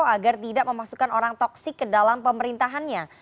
agar tidak memasukkan orang toksik ke dalam pemerintahannya